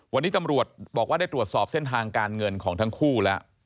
วันนี้ตำรวจบอกว่าได้ตรวจสอบเส้นทางการเงินของทั้งคู่แล้ว